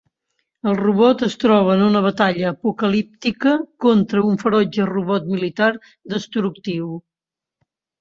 El robot es troba en una batalla apocalíptica contra un ferotge robot militar destructiu.